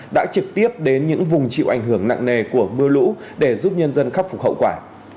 đã trực tiếp đến những vùng chịu ảnh hưởng nặng nề của mưa lũ để giúp nhân dân khắc phục hậu quả